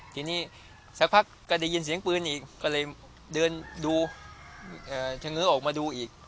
ทีนี้สักพักก็ได้ยินเสียงปืนอีกก็เลยเดินดูเฉง้อออกมาดูอีก